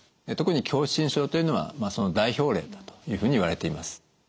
特に狭心症というのはその代表例だというふうにいわれています。